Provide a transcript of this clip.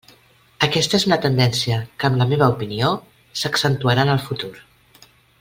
Aquesta és una tendència que, en la meva opinió, s'accentuarà en el futur.